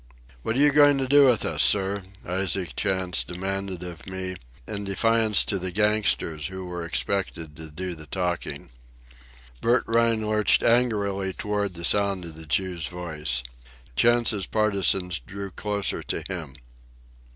"What are you going to do with us, sir?" Isaac Chantz demanded of me, in defiance to the gangsters, who were expected to do the talking. Bert Rhine lurched angrily toward the sound of the Jew's voice. Chantz's partisans drew closer to him.